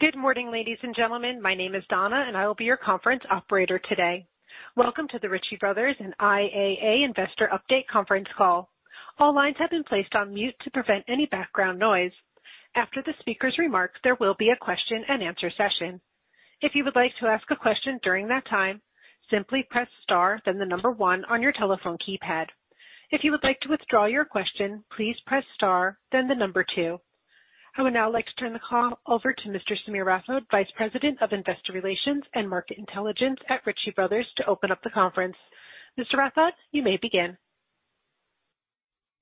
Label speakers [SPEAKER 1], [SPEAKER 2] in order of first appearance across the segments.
[SPEAKER 1] Good morning, ladies and gentlemen. My name is Donna, and I will be your conference operator today. Welcome to the Ritchie Bros. and IAA Investor Update conference call. All lines have been placed on mute to prevent any background noise. After the speaker's remarks, there will be a question and answer session. If you would like to ask a question during that time, simply press star then the number one on your telephone keypad. If you would like to withdraw your question, please press star then the number two. I would now like to turn the call over to Mr. Sameer Rathod, Vice President of Investor Relations and Market Intelligence at Ritchie Bros., to open up the conference. Mr. Rathod, you may begin.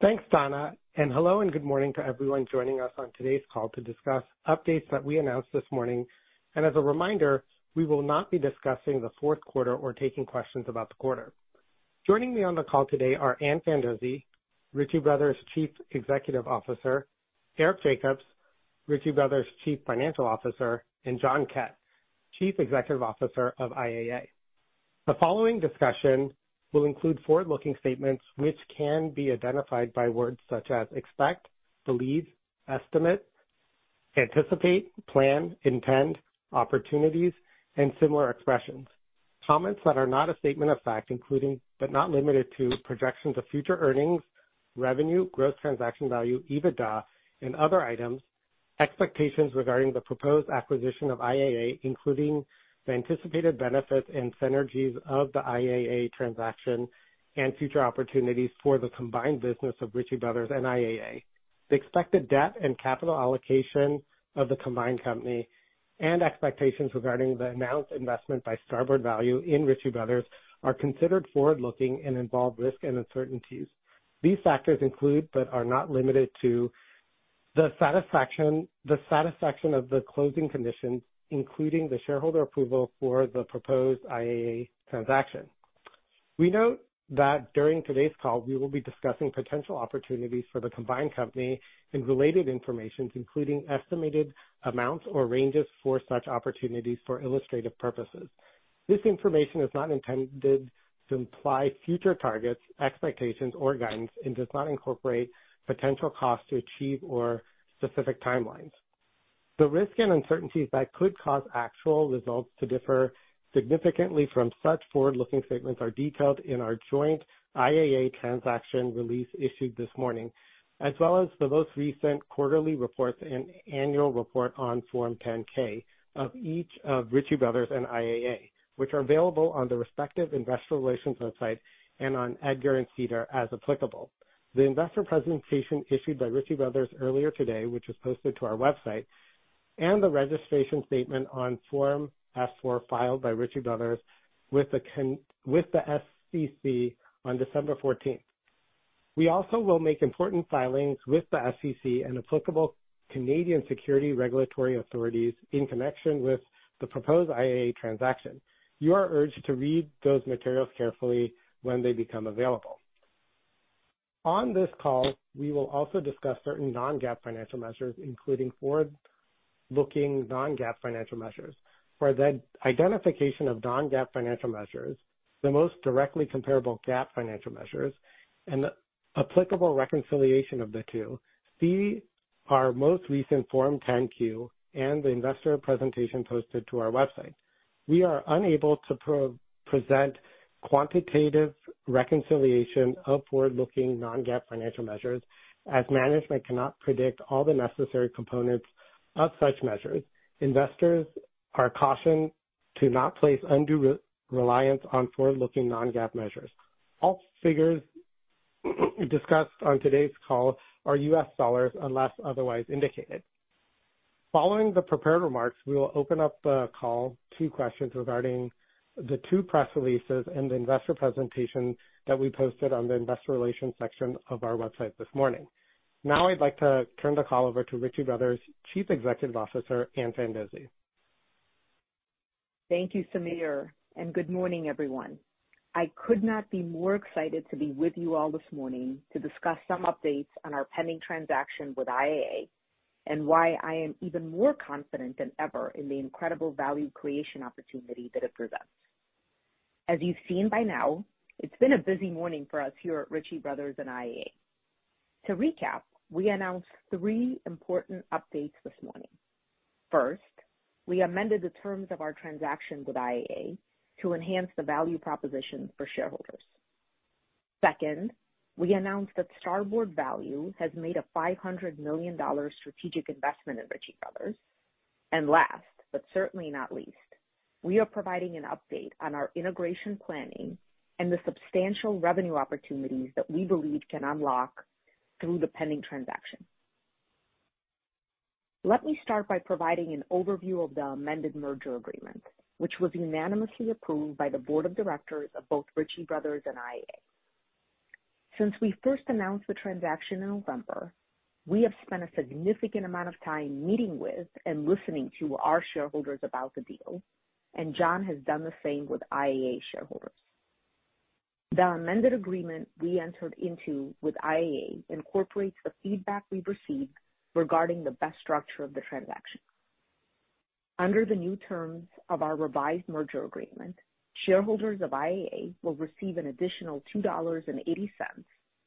[SPEAKER 2] Thanks, Donna, hello and good morning to everyone joining us on today's call to discuss updates that we announced this morning. As a reminder, we will not be discussing the fourth quarter or taking questions about the quarter. Joining me on the call today are Ann Fandozzi, Ritchie Bros. Chief Executive Officer, Eric Jacobs, Ritchie Bros. Chief Financial Officer, and John Kett, Chief Executive Officer of IAA. The following discussion will include forward-looking statements which can be identified by words such as expect, believe, estimate, anticipate, plan, intend, opportunities, and similar expressions. Comments that are not a statement of fact, including but not limited to, projections of future earnings, revenue, gross transaction value, EBITDA and other items, expectations regarding the proposed acquisition of IAA, including the anticipated benefits and synergies of the IAA transaction and future opportunities for the combined business of Ritchie Bros. and IAA. The expected debt and capital allocation of the combined company and expectations regarding the announced investment by Starboard Value in Ritchie Bros. are considered forward-looking and involve risk and uncertainties. These factors include, but are not limited to, the satisfaction of the closing conditions, including the shareholder approval for the proposed IAA transaction. We note that during today's call, we will be discussing potential opportunities for the combined company and related information, including estimated amounts or ranges for such opportunities for illustrative purposes. This information is not intended to imply future targets, expectations or guidance and does not incorporate potential costs to achieve or specific timelines. The risks and uncertainties that could cause actual results to differ significantly from such forward-looking statements are detailed in our joint IAA transaction release issued this morning, as well as the most recent quarterly reports and annual report on Form 10-K of each of Ritchie Bros. and IAA, which are available on the respective investor relations website and on EDGAR and SEDAR+ as applicable. The investor presentation issued by Ritchie Bros. earlier today, which was posted to our website, and the registration statement on Form S-4 filed by Ritchie Bros. with the SEC on December 14th. We also will make important filings with the SEC and applicable Canadian security regulatory authorities in connection with the proposed IAA transaction. You are urged to read those materials carefully when they become available. On this call, we will also discuss certain non-GAAP financial measures, including forward-looking non-GAAP financial measures. For the identification of non-GAAP financial measures, the most directly comparable GAAP financial measures, and applicable reconciliation of the two, see our most recent Form 10-Q and the investor presentation posted to our website. We are unable to pro-present quantitative reconciliation of forward-looking non-GAAP financial measures as management cannot predict all the necessary components of such measures. Investors are cautioned to not place undue re-reliance on forward-looking non-GAAP measures. All figures discussed on today's call are U.S. dollars unless otherwise indicated. Following the prepared remarks, we will open up the call to questions regarding the two press releases and the investor presentation that we posted on the investor relations section of our website this morning. Now I'd like to turn the call over to Ritchie Bros. Chief Executive Officer, Ann Fandozzi.
[SPEAKER 3] Thank you, Sameer, good morning, everyone. I could not be more excited to be with you all this morning to discuss some updates on our pending transaction with IAA and why I am even more confident than ever in the incredible value creation opportunity that it presents. As you've seen by now, it's been a busy morning for us here at Ritchie Bros. and IAA. To recap, we announced three important updates this morning. First, we amended the terms of our transaction with IAA to enhance the value proposition for shareholders. Second, we announced that Starboard Value LP has made a $500 million strategic investment in Ritchie Bros. Last, but certainly not least, we are providing an update on our integration planning and the substantial revenue opportunities that we believe can unlock through the pending transaction. Let me start by providing an overview of the amended merger agreement, which was unanimously approved by the board of directors of both Ritchie Bros. and IAA. Since we first announced the transaction in November, we have spent a significant amount of time meeting with and listening to our shareholders about the deal, John has done the same with IAA shareholders. The amended agreement we entered into with IAA incorporates the feedback we've received regarding the best structure of the transaction. Under the new terms of our revised merger agreement, shareholders of IAA will receive an additional $2.80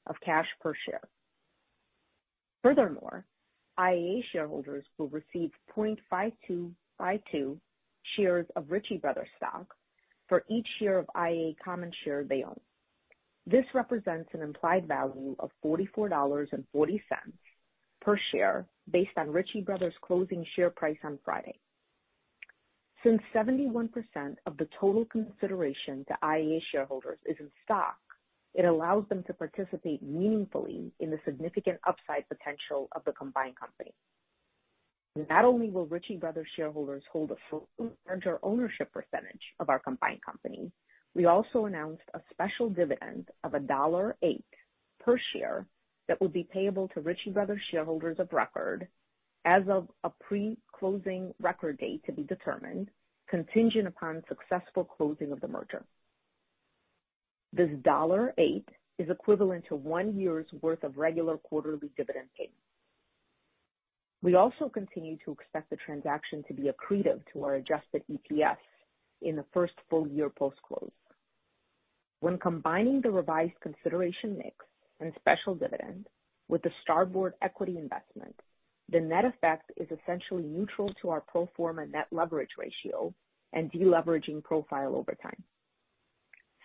[SPEAKER 3] of cash per share. Furthermore, IAA shareholders will receive 0.5252 shares of Ritchie Bros. stock for each share of IAA common share they own. This represents an implied value of $44.40 per share based on Ritchie Bros.' closing share price on Friday. 71% of the total consideration to IAA shareholders is in stock, it allows them to participate meaningfully in the significant upside potential of the combined company. Not only will Ritchie Bros. shareholders hold a larger ownership percentage of our combined company, we also announced a special dividend of $1.08 per share that will be payable to Ritchie Bros. shareholders of record as of a pre-closing record date to be determined contingent upon successful closing of the merger. This $1.08 is equivalent to one year's worth of regular quarterly dividend payments. We also continue to expect the transaction to be accretive to our adjusted EPS in the first full year post-close. When combining the revised consideration mix and special dividend with the Starboard equity investment, the net effect is essentially neutral to our pro forma net leverage ratio and deleveraging profile over time.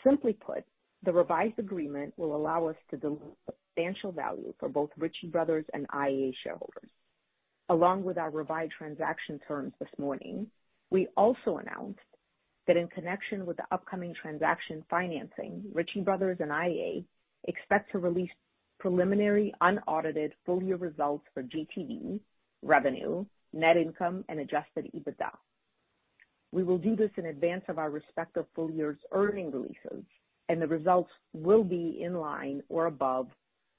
[SPEAKER 3] Simply put, the revised agreement will allow us to deliver substantial value for both Ritchie Bros. and IAA shareholders. Along with our revised transaction terms this morning, we also announced that in connection with the upcoming transaction financing, Ritchie Bros. and IAA expect to release preliminary unaudited full-year results for GTV, revenue, net income, and adjusted EBITDA. We will do this in advance of our respective full year's earning releases, and the results will be in line or above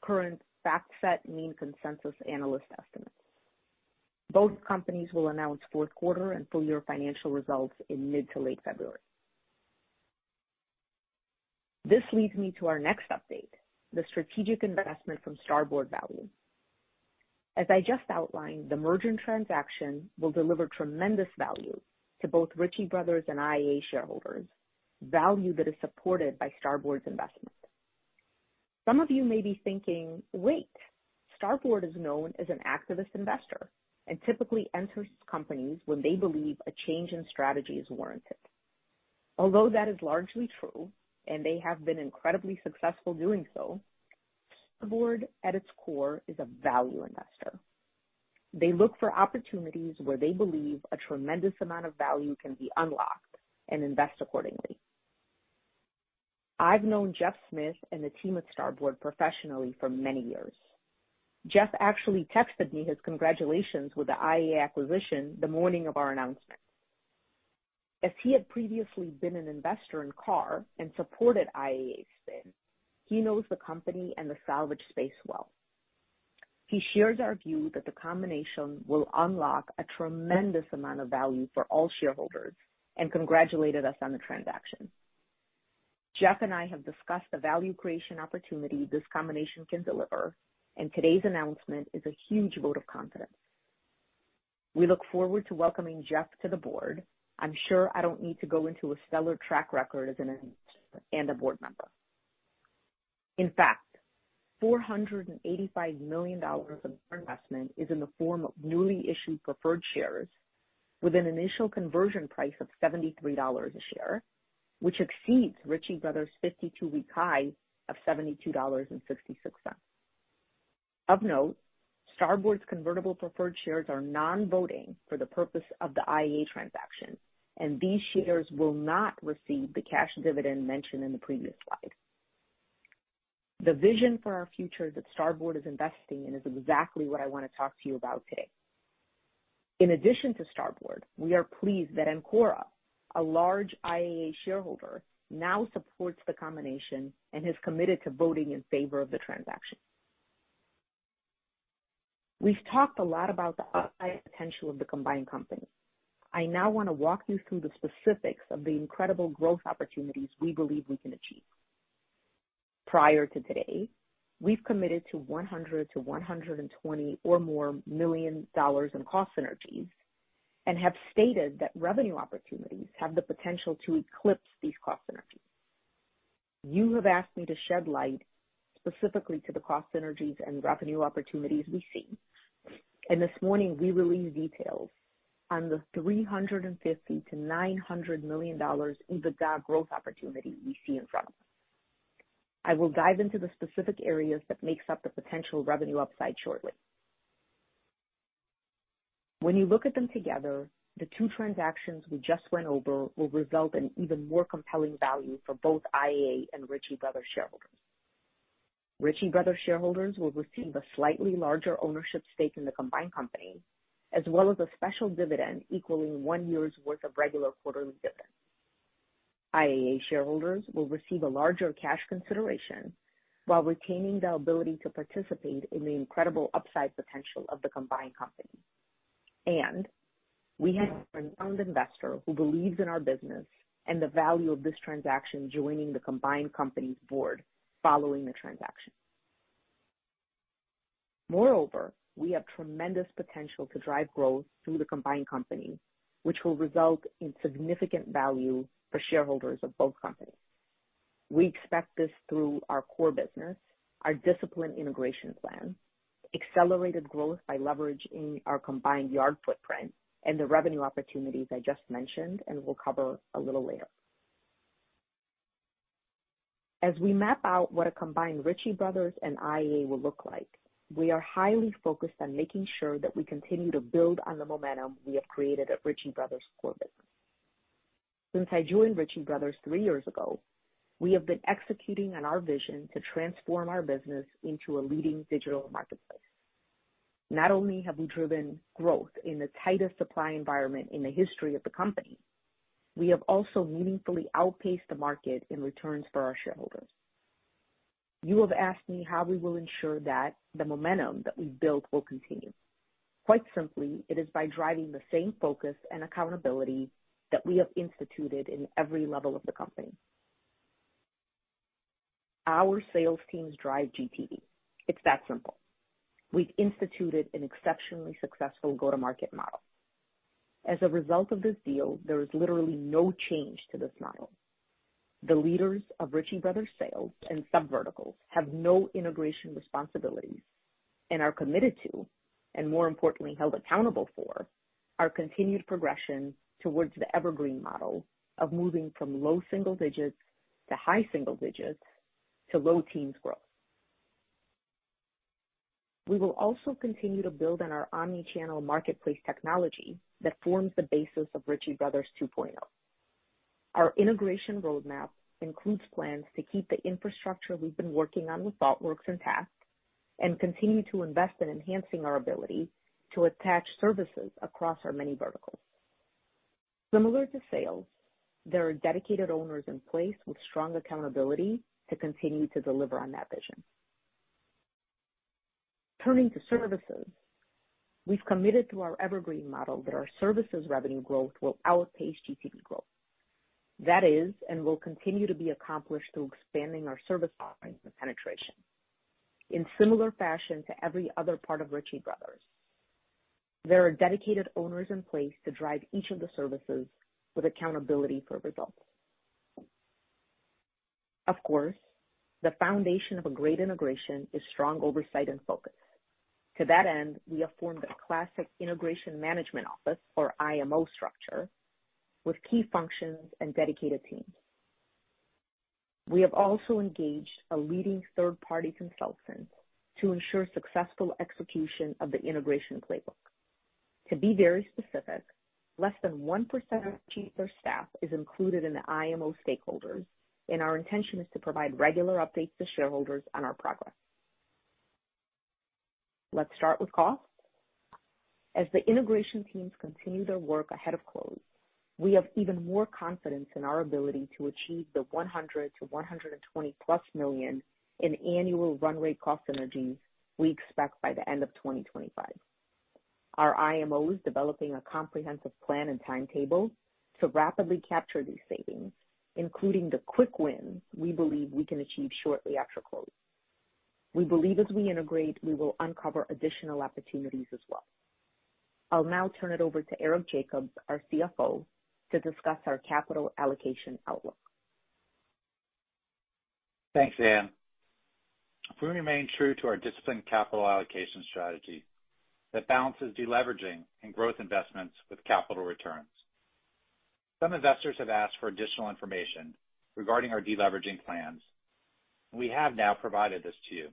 [SPEAKER 3] current FactSet mean consensus analyst estimates. Both companies will announce fourth quarter and full year financial results in mid to late February. This leads me to our next update, the strategic investment from Starboard Value. As I just outlined, the merger and transaction will deliver tremendous value to both Ritchie Bros. and IAA shareholders. Value that is supported by Starboard's investment. Some of you may be thinking, "Wait, Starboard is known as an activist investor and typically enters companies when they believe a change in strategy is warranted." Although that is largely true, and they have been incredibly successful doing so, Starboard, at its core, is a value investor. They look for opportunities where they believe a tremendous amount of value can be unlocked and invest accordingly. I've known Jeff Smith and the team at Starboard professionally for many years. Jeff actually texted me his congratulations with the IAA acquisition the morning of our announcement. As he had previously been an investor in KAR and supported IAA spin, he knows the company and the salvage space well. He shares our view that the combination will unlock a tremendous amount of value for all shareholders and congratulated us on the transaction. Today's announcement is a huge vote of confidence. We look forward to welcoming Jeff to the board. I'm sure I don't need to go into a stellar track record as an and a board member. In fact, $485 million of investment is in the form of newly issued preferred shares with an initial conversion price of $73 a share, which exceeds Ritchie Bros.' 52-week high of $72.66. Of note, Starboard's convertible preferred shares are non-voting for the purpose of the IAA transaction, and these shareholders will not receive the cash dividend mentioned in the previous slide. The vision for our future that Starboard is investing in is exactly what I wanna talk to you about today. In addition to Starboard, we are pleased that Ancora, a large IAA shareholder, now supports the combination and has committed to voting in favor of the transaction. We've talked a lot about the upside potential of the combined company. I now wanna walk you through the specifics of the incredible growth opportunities we believe we can achieve. Prior to today, we've committed to $100 million to $120 million or more in cost synergies and have stated that revenue opportunities have the potential to eclipse these cost synergies. You have asked me to shed light specifically to the cost synergies and revenue opportunities we see. This morning we released details on the $350 million-$900 million in the EBITDA growth opportunity we see in front of us. I will dive into the specific areas that makes up the potential revenue upside shortly. When you look at them together, the two transactions we just went over will result in even more compelling value for both IAA and Ritchie Bros. shareholders. Ritchie Bros. shareholders will receive a slightly larger ownership stake in the combined company, as well as a special dividend equaling 1 year's worth of regular quarterly dividends. IAA shareholders will receive a larger cash consideration while retaining the ability to participate in the incredible upside potential of the combined company. We have a renowned investor who believes in our business and the value of this transaction joining the combined company's board following the transaction. Moreover, we have tremendous potential to drive growth through the combined company, which will result in significant value for shareholders of both companies. We expect this through our core business, our disciplined integration plan, accelerated growth by leveraging our combined yard footprint, and the revenue opportunities I just mentioned and will cover a little later. As we map out what a combined Ritchie Bros. and IAA will look like, we are highly focused on making sure that we continue to build on the momentum we have created at Ritchie Bros. core business. Since I joined Ritchie Bros. 3 years ago, we have been executing on our vision to transform our business into a leading digital marketplace. Not only have we driven growth in the tightest supply environment in the history of the company, we have also meaningfully outpaced the market in returns for our shareholders. You have asked me how we will ensure that the momentum that we've built will continue. Quite simply, it is by driving the same focus and accountability that we have instituted in every level of the company. Our sales teams drive GDP. It's that simple. We've instituted an exceptionally successful go-to-market model. As a result of this deal, there is literally no change to this model. The leaders of Ritchie Bros. sales and sub-verticals have no integration responsibilities and are committed to, and more importantly, held accountable for our continued progression towards the evergreen model of moving from low single digits to high single digits to low teens growth. We will also continue to build on our omni-channel marketplace technology that forms the basis of Ritchie Brothers 2.0. Our integration roadmap includes plans to keep the infrastructure we've been working on with Thoughtworks and uncertain, and continue to invest in enhancing our ability to attach services across our many verticals. Similar to sales, there are dedicated owners in place with strong accountability to continue to deliver on that vision. Turning to services, we've committed to our evergreen model that our services revenue growth will outpace GDP growth. That is, and will continue to be accomplished through expanding our service offerings and penetration. In similar fashion to every other part of Ritchie Bros., there are dedicated owners in place to drive each of the services with accountability for results. Of course, the foundation of a great integration is strong oversight and focus. To that end, we have formed a classic integration management office or IMO structure with key functions and dedicated teams. We have also engaged a leading third-party consultant to ensure successful execution of the integration playbook. To be very specific, less than 1% of Ritchie Bros. staff is included in the IMO stakeholders, and our intention is to provide regular updates to shareholders on our progress. Let's start with costs. As the integration teams continue their work ahead of close, we have even more confidence in our ability to achieve the $100 million-$120+ million in annual run rate cost synergies we expect by the end of 2025. Our IMO is developing a comprehensive plan and timetable to rapidly capture these savings, including the quick wins we believe we can achieve shortly after close. We believe as we integrate, we will uncover additional opportunities as well. I'll now turn it over to Eric Jacobs, our CFO, to discuss our capital allocation outlook.
[SPEAKER 4] Thanks, Anne. We remain true to our disciplined capital allocation strategy that balances deleveraging and growth investments with capital returns. Some investors have asked for additional information regarding our deleveraging plans. We have now provided this to you.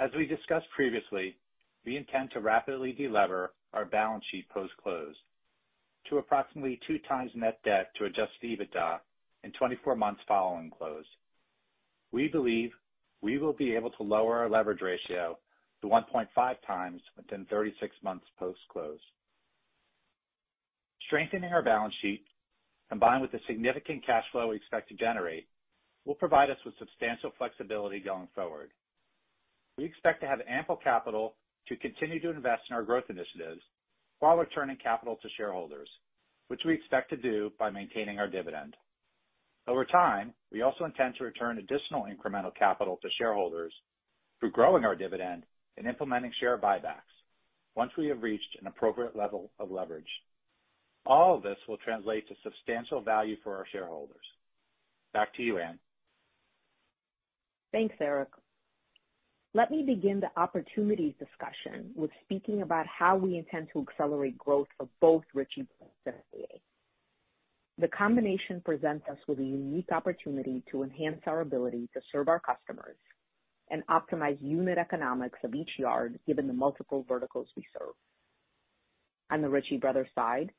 [SPEAKER 4] As we discussed previously, we intend to rapidly deliver our balance sheet post-close to approximately 2 times Net Debt to Adjusted EBITDA in 24 months following close. We believe we will be able to lower our leverage ratio to 1.5 times within 36 months post-close. Strengthening our balance sheet, combined with the significant cash flow we expect to generate, will provide us with substantial flexibility going forward. We expect to have ample capital to continue to invest in our growth initiatives while returning capital to shareholders, which we expect to do by maintaining our dividend. Over time, we also intend to return additional incremental capital to shareholders through growing our dividend and implementing share buybacks once we have reached an appropriate level of leverage. All of this will translate to substantial value for our shareholders. Back to you, Ann.
[SPEAKER 3] Thanks, Eric. Let me begin the opportunities discussion with speaking about how we intend to accelerate growth for both Ritchie Bros. and IAA. The combination presents us with a unique opportunity to enhance our ability to serve our customers and optimize unit economics of each yard, given the multiple verticals we serve. On the Ritchie Bros. side,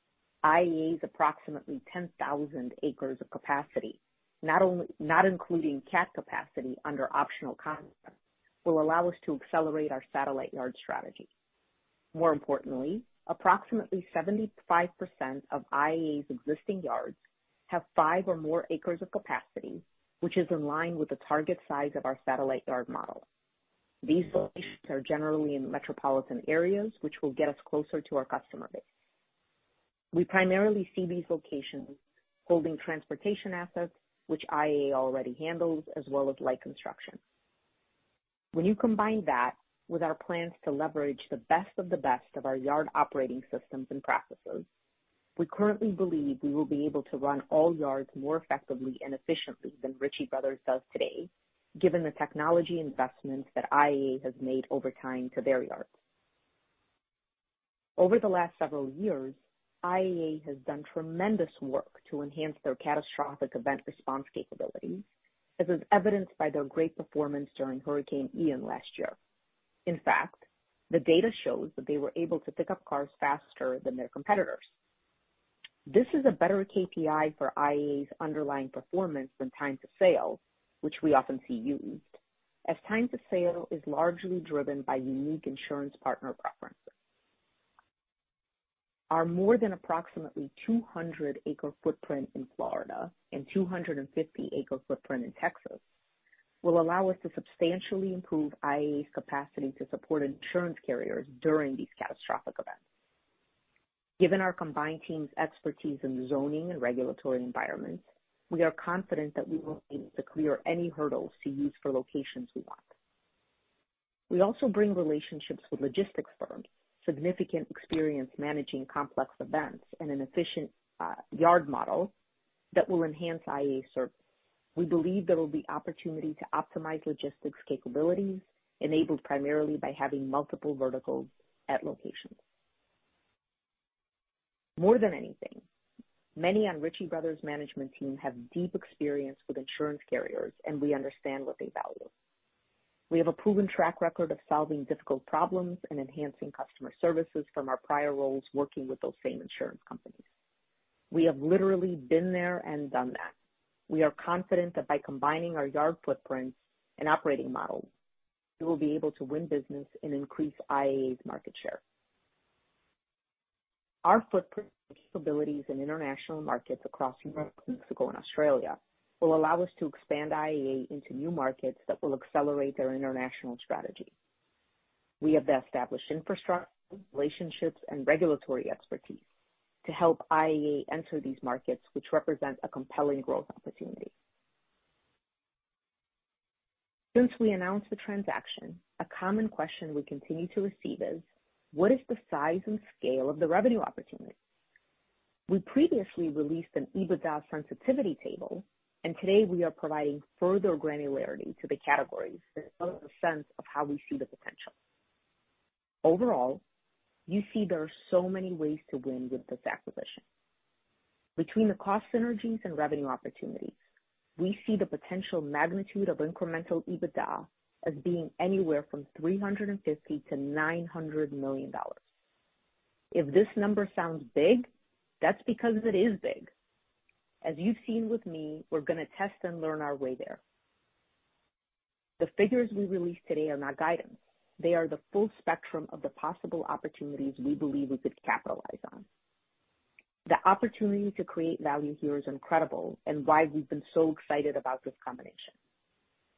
[SPEAKER 3] IAA's approximately 10,000 acres of capacity, not including cat capacity under optional contracts, will allow us to accelerate our satellite yard strategy. More importantly, approximately 75% of IAA's existing yards have 5 or more acres of capacity, which is in line with the target size of our satellite yard model. These locations are generally in metropolitan areas, which will get us closer to our customer base. We primarily see these locations holding transportation assets, which IAA already handles, as well as light construction. When you combine that with our plans to leverage the best of the best of our yard operating systems and processes, we currently believe we will be able to run all yards more effectively and efficiently than Ritchie Bros. does today, given the technology investments that IAA has made over time to their yards. Over the last several years, IAA has done tremendous work to enhance their catastrophic event response capabilities, as is evidenced by their great performance during Hurricane Ian last year. In fact, the data shows that they were able to pick up cars faster than their competitors. This is a better KPI for IAA's underlying performance than time to sale, which we often see used, as time to sale is largely driven by unique insurance partner preferences. Our more than approximately 200 acre footprint in Florida and 250 acre footprint in Texas will allow us to substantially improve IAA's capacity to support insurance carriers during these catastrophic events. Given our combined team's expertise in the zoning and regulatory environments, we are confident that we will be able to clear any hurdles to use for locations we want. We also bring relationships with logistics firms, significant experience managing complex events and an efficient yard model that will enhance IAA service. We believe there will be opportunity to optimize logistics capabilities enabled primarily by having multiple verticals at locations. More than anything, many on Ritchie Bros. management team have deep experience with insurance carriers, and we understand what they value. We have a proven track record of solving difficult problems and enhancing customer services from our prior roles working with those same insurance companies. We have literally been there and done that. We are confident that by combining our yard footprints and operating models, we will be able to win business and increase IAA's market share. Our footprint and capabilities in international markets across Northern Mexico and Australia will allow us to expand IAA into new markets that will accelerate their international strategy. We have the established infrastructure, relationships and regulatory expertise to help IAA enter these markets, which represent a compelling growth opportunity. Since we announced the transaction, a common question we continue to receive is what is the size and scale of the revenue opportunity? We previously released an EBITDA sensitivity table, and today we are providing further granularity to the categories to build a sense of how we see the potential. Overall, you see there are so many ways to win with this acquisition. Between the cost synergies and revenue opportunities, we see the potential magnitude of incremental EBITDA as being anywhere from $350 million-$900 million. If this number sounds big, that's because it is big. As you've seen with me, we're gonna test and learn our way there. The figures we released today are not guidance. They are the full spectrum of the possible opportunities we believe we could capitalize on. The opportunity to create value here is incredible and why we've been so excited about this combination.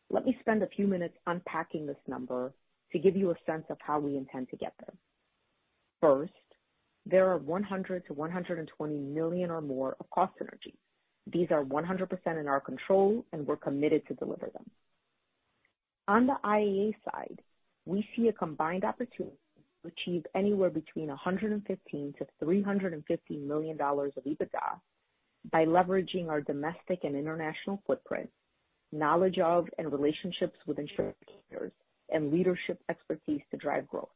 [SPEAKER 3] Let me spend a few minutes unpacking this number to give you a sense of how we intend to get there. First, there are $100 million-$120 million or more of cost synergies. These are 100% in our control, and we're committed to deliver them. On the IAA side, we see a combined opportunity to achieve anywhere between $115 million-$350 million of EBITDA by leveraging our domestic and international footprint, knowledge of and relationships with insurance carriers, and leadership expertise to drive growth.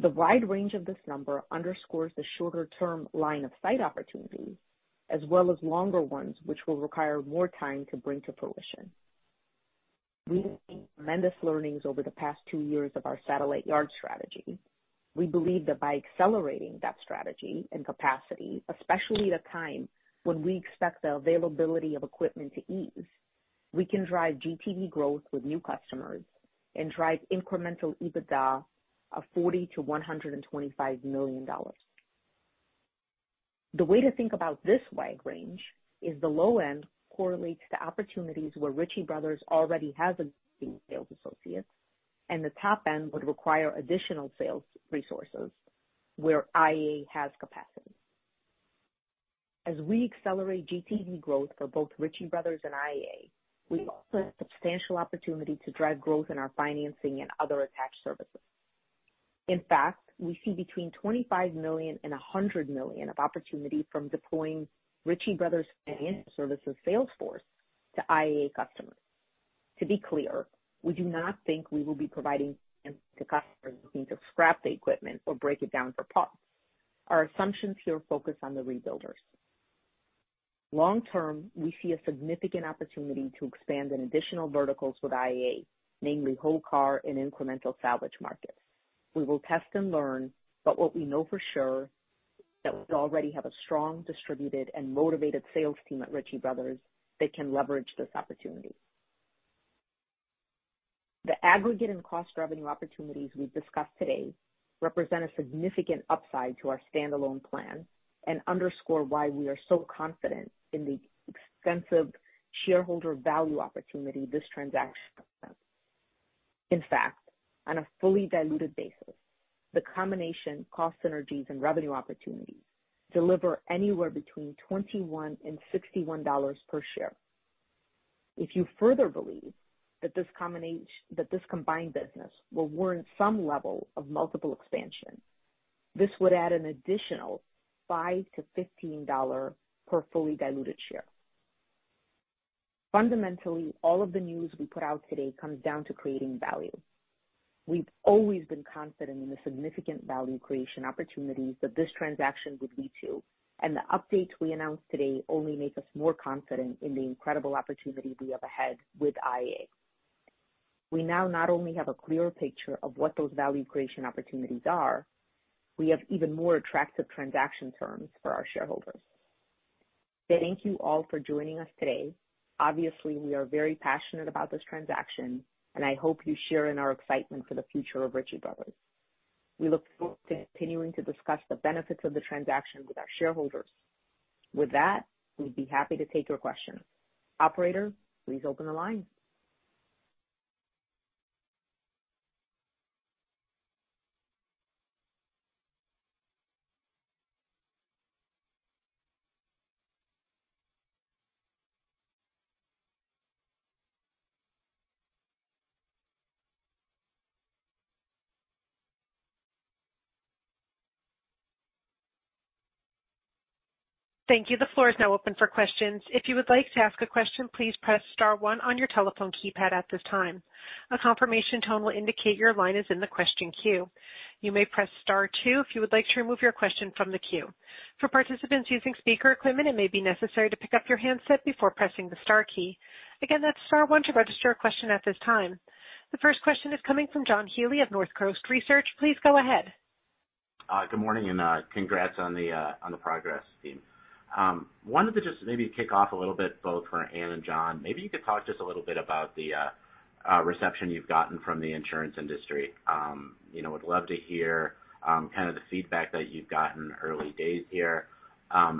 [SPEAKER 3] The wide range of this number underscores the shorter term line of sight opportunities as well as longer ones, which will require more time to bring to fruition. We've made tremendous learnings over the past two years of our satellite yard strategy. We believe that by accelerating that strategy and capacity, especially at a time when we expect the availability of equipment to ease, we can drive GTV growth with new customers and drive incremental EBITDA of $40 million-$125 million. The way to think about this wide range is the low end correlates to opportunities where Ritchie Bros. already has existing sales associates. The top end would require additional sales resources where IAA has capacity. As we accelerate GTV growth for both Ritchie Bros. and IAA, we also have substantial opportunity to drive growth in our financing and other attached services. In fact, we see between $25 million and $100 million of opportunity from deploying Ritchie Bros. financial services sales force to IAA customers. To be clear, we do not think we will be providing to customers looking to scrap the equipment or break it down for parts. Our assumptions here focus on the rebuilders. Long term, we see a significant opportunity to expand in additional verticals with IAA, namely whole car and incremental salvage markets. We will test and learn, but what we know for sure that we already have a strong distributed and motivated sales team at Ritchie Bros. that can leverage this opportunity. The aggregate and cost revenue opportunities we've discussed today represent a significant upside to our standalone plan and underscore why we are so confident in the extensive shareholder value opportunity this transaction. In fact, on a fully diluted basis, the combination cost synergies and revenue opportunities deliver anywhere between $21 and $61 per share. If you further believe that this combined business will warrant some level of multiple expansion, this would add an additional $5-$15 dollar per fully diluted share. Fundamentally, all of the news we put out today comes down to creating value. We've always been confident in the significant value creation opportunities that this transaction would lead to. The updates we announced today only make us more confident in the incredible opportunity we have ahead with IAA. We now not only have a clearer picture of what those value creation opportunities are, we have even more attractive transaction terms for our shareholders. Thank you all for joining us today. Obviously, we are very passionate about this transaction. I hope you share in our excitement for the future of Ritchie Bros. We look forward to continuing to discuss the benefits of the transaction with our shareholders. With that, we'd be happy to take your questions. Operator, please open the line.
[SPEAKER 1] Thank you. The floor is now open for questions. If you would like to ask a question, please press star one on your telephone keypad at this time. A confirmation tone will indicate your line is in the question queue. You may press star two if you would like to remove your question from the queue. For participants using speaker equipment, it may be necessary to pick up your handset before pressing the star key. Again, that's star one to register a question at this time. The first question is coming from John Healy of Northcoast Research. Please go ahead.
[SPEAKER 5] Good morning, congrats on the progress team. Wanted to just maybe kick off a little bit, both for Ann and John. Maybe you could talk just a little bit about the reception you've gotten from the insurance industry. You know, would love to hear kind of the feedback that you've gotten early days here.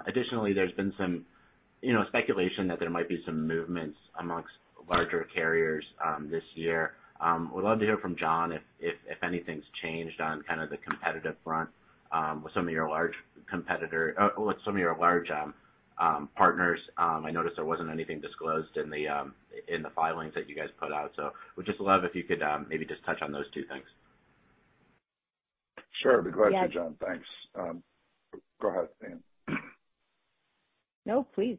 [SPEAKER 5] Additionally, there's been some, you know, speculation that there might be some movements amongst larger carriers this year. Would love to hear from John if anything's changed on kind of the competitive front with some of your large partners. I noticed there wasn't anything disclosed in the, in the filings that you guys put out. Would just love if you could, maybe just touch on those two things.
[SPEAKER 6] Sure. Good question, John. Thanks. Go ahead, Anne.
[SPEAKER 3] No, please.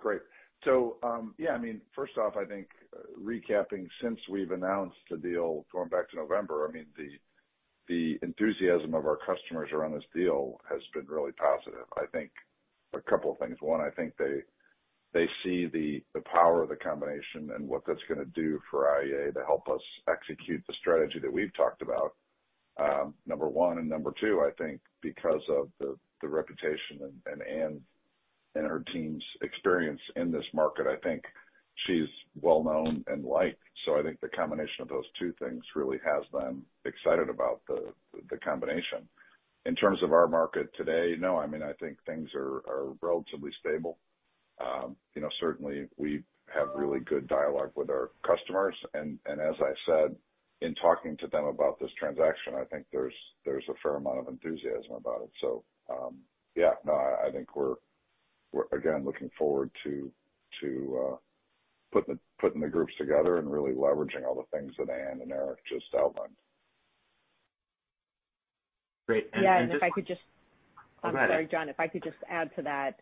[SPEAKER 6] Great. I mean, first off, I think recapping since we've announced the deal going back to November, I mean, the enthusiasm of our customers around this deal has been really positive. I think a couple things. One, I think they see the power of the combination and what that's gonna do for IAA to help us execute the strategy that we've talked about, number one. Number two, I think because of the reputation and Ann and her team's experience in this market, I think she's well known and liked. I think the combination of those two things really has them excited about the combination. In terms of our market today, I mean, I think things are relatively stable. You know, certainly we have really good dialogue with our customers. As I said, in talking to them about this transaction, I think there's a fair amount of enthusiasm about it. Yeah, no, I think we're, again, looking forward to putting the groups together and really leveraging all the things that Ann and Eric just outlined.
[SPEAKER 5] Great.
[SPEAKER 3] Yeah, and if I could just.
[SPEAKER 5] Go ahead, Ann.
[SPEAKER 3] I'm sorry, John. If I could just add to that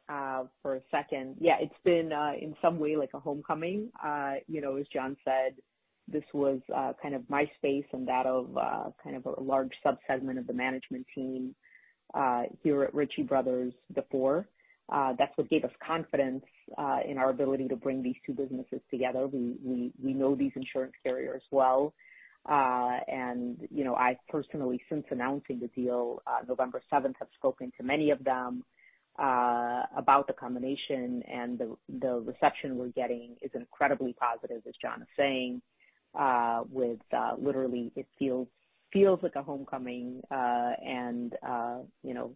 [SPEAKER 3] for a second. Yeah, it's been in some way like a homecoming. You know, as John said, this was kind of my space and that of kind of a large subsegment of the management team here at Ritchie Bros. before. That's what gave us confidence in our ability to bring these two businesses together. We know these insurance carriers well. And you know, I've personally, since announcing the deal on November seventh, have spoken to many of them about the combination, and the reception we're getting is incredibly positive, as John is saying, with literally it feels like a homecoming, and you know,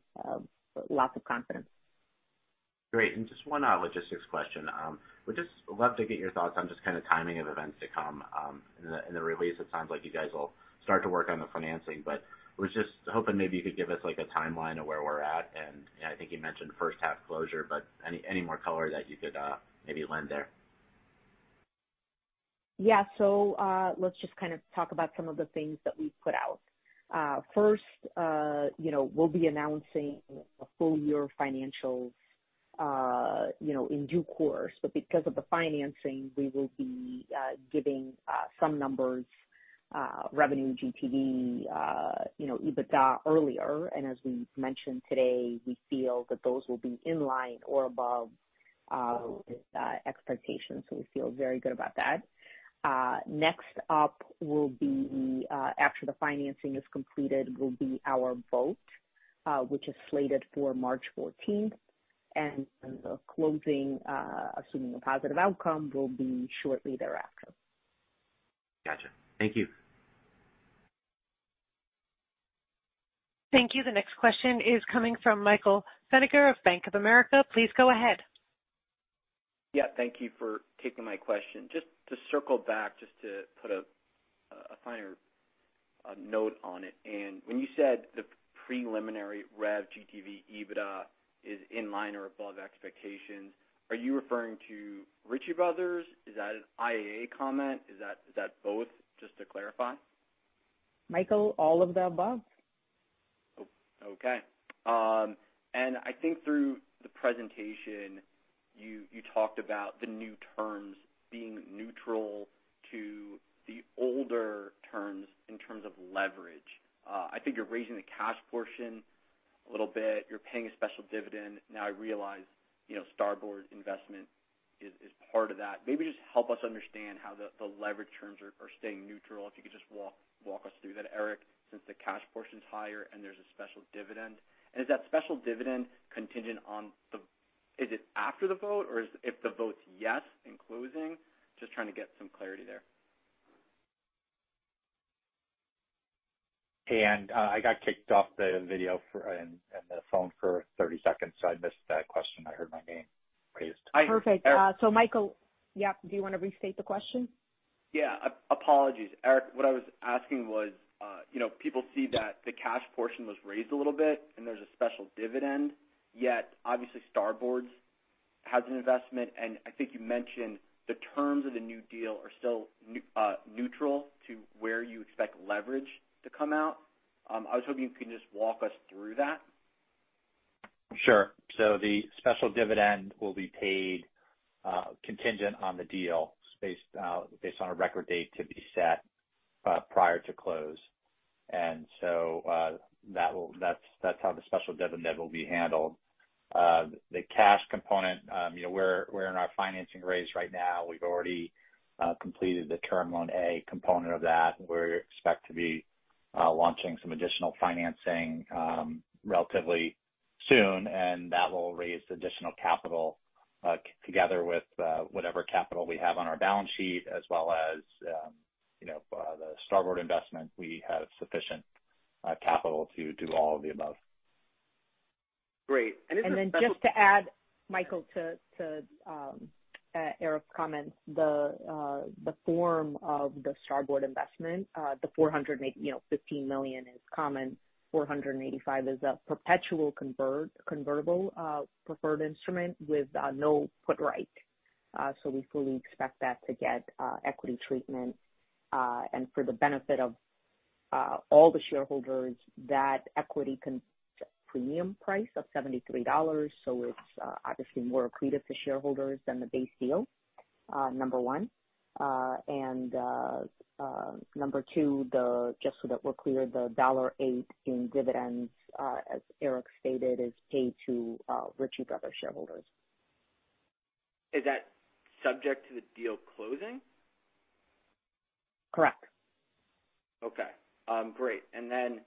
[SPEAKER 3] lots of confidence.
[SPEAKER 5] Great. Just one logistics question. Would just love to get your thoughts on just kind of timing of events to come in the release, it sounds like you guys will start to work on the financing, but was just hoping maybe you could give us like a timeline of where we're at. I think you mentioned first half closure, but any more color that you could maybe lend there?
[SPEAKER 3] Let's just kind of talk about some of the things that we've put out. First, you know, we'll be announcing a full year financials, you know, in due course. Because of the financing, we will be giving some numbers, revenue GTV, you know, EBITDA earlier. As we mentioned today, we feel that those will be in line or above expectations. We feel very good about that. Next up will be, after the financing is completed, will be our vote, which is slated for March 14th. The closing, assuming a positive outcome, will be shortly thereafter.
[SPEAKER 5] Gotcha. Thank you.
[SPEAKER 1] Thank you. The next question is coming from Michael Feniger of Bank of America. Please go ahead.
[SPEAKER 7] Yeah, thank you for taking my question. Just to circle back, just to put a finer note on it. Ann, when you said the preliminary rev GTV EBITDA is in line or above expectations, are you referring to Ritchie Bros.? Is that an IAA comment? Is that both? Just to clarify.
[SPEAKER 3] Michael, all of the above.
[SPEAKER 7] Okay. I think through the presentation, you talked about the new terms being neutral to the older terms in terms of leverage. I think you're raising the cash portion a little bit. You're paying a special dividend. Now I realize, you know, Starboard investment is part of that. Maybe just help us understand how the leverage terms are staying neutral. If you could just walk us through that, Eric, since the cash portion is higher and there's a special dividend. Is that special dividend after the vote, or if the vote's yes in closing? Just trying to get some clarity there.
[SPEAKER 4] I got kicked off the video for and the phone for 30 seconds, so I missed that question. I heard my name raised.
[SPEAKER 7] I-
[SPEAKER 3] Perfect. Michael. Yeah, do you wanna restate the question?
[SPEAKER 7] Yeah. Apologies. Eric, what I was asking was, you know, people see that the cash portion was raised a little bit and there's a special dividend, yet obviously Starboard has an investment, and I think you mentioned the terms of the new deal are still neutral to where you expect leverage to come out. I was hoping you could just walk us through that.
[SPEAKER 4] Sure. The special dividend will be paid, contingent on the deal based on a record date to be set, prior to close. That's how the special dividend will be handled. The cash component, you know, we're in our financing raise right now. We've already completed the Term Loan A component of that. We expect to be launching some additional financing relatively soon, that will raise additional capital together with whatever capital we have on our balance sheet as well as, you know, the Starboard investment. We have sufficient capital to do all of the above.
[SPEAKER 7] Great. is the special-
[SPEAKER 3] Then just to add, Michael, to Eric's comments, the form of the Starboard investment, the $415 million is common. $485 million is a perpetual convertible preferred instrument with no put right. We fully expect that to get equity treatment, and for the benefit of all the shareholders, that equity can premium price of $73. It's obviously more accretive to shareholders than the base deal, number one. Number two, just so that we're clear, the $1.08 in dividends, as Eric stated, is paid to Ritchie Bros. shareholders.
[SPEAKER 7] Is that subject to the deal closing?
[SPEAKER 3] Correct.
[SPEAKER 7] Okay. Great. Then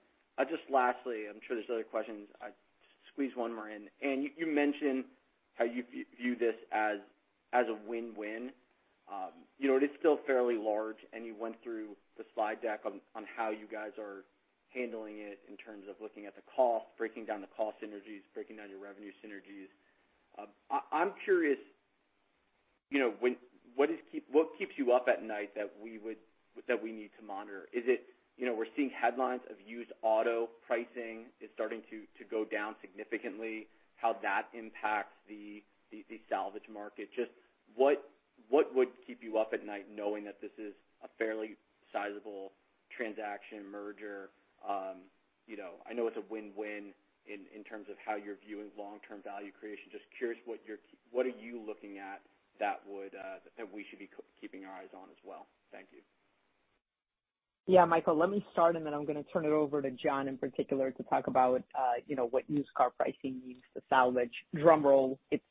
[SPEAKER 7] just lastly, I'm sure there's other questions. I squeeze one more in. Ann, you mentioned how you view this as a win-win. You know, it is still fairly large, and you went through the slide deck on how you guys are handling it in terms of looking at the cost, breaking down the cost synergies, breaking down your revenue synergies. I'm curious, you know, what keeps you up at night that we would, that we need to monitor? Is it, you know, we're seeing headlines of used auto pricing is starting to go down significantly, how that impacts the salvage market? What would keep you up at night knowing that this is a fairly sizable transaction merger? You know, I know it's a win-win in terms of how you're viewing long-term value creation. Just curious what are you looking at that would that we should be keeping our eyes on as well. Thank you.
[SPEAKER 3] Michael, let me start, then I'm gonna turn it over to John in particular to talk about, you know, what used car pricing means to salvage. Drum roll. It's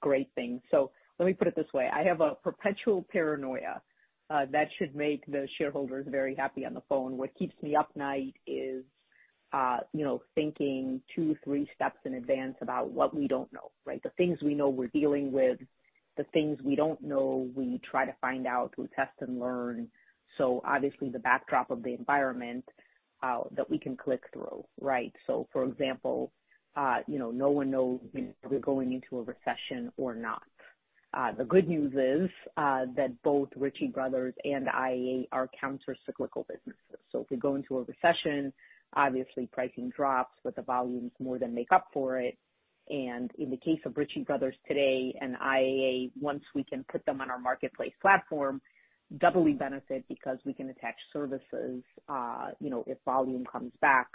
[SPEAKER 3] great thing. Let me put it this way. I have a perpetual paranoia that should make the shareholders very happy on the phone. What keeps me up at night is, you know, thinking two, three steps in advance about what we don't know, right? The things we know we're dealing with, the things we don't know, we try to find out, we test and learn. Obviously the backdrop of the environment that we can click through, right? For example, you know, no one knows if we're going into a recession or not. The good news is that both Ritchie Bros. and IAA are counter-cyclical businesses. If we go into a recession, obviously pricing drops, but the volumes more than make up for it. In the case of Ritchie Bros. today and IAA, once we can put them on our marketplace platform, doubly benefit because we can attach services. You know, if volume comes back,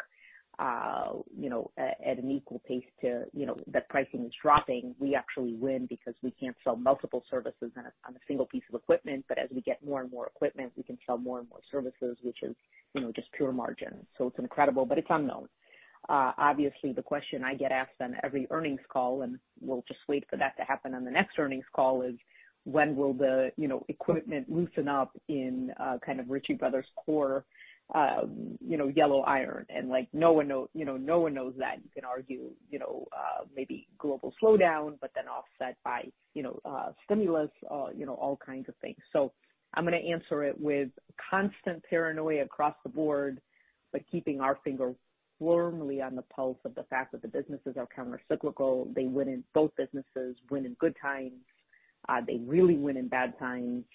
[SPEAKER 3] you know, at an equal pace to, you know, that pricing is dropping, we actually win because we can't sell multiple services on a, on a single piece of equipment. As we get more and more equipment, we can sell more and more services, which is, you know, just pure margin. It's incredible, but it's unknown. Obviously, the question I get asked on every earnings call, and we'll just wait for that to happen on the next earnings call, is when will the, you know, equipment loosen up in, kind of Ritchie Bros. core, you know, yellow iron? Like no one knows, you know, no one knows that. You can argue, you know, maybe global slowdown, but then offset by, you know, stimulus, you know, all kinds of things. I'm gonna answer it with constant paranoia across the board, but keeping our finger firmly on the pulse of the fact that the businesses are countercyclical. Both businesses win in good times. They really win in bad times,